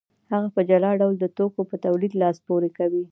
هغه په جلا ډول د توکو په تولید لاس پورې کوي